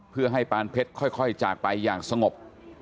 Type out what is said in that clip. เพื่อให้ปานเพชรค่อยจากไปอย่างสงบ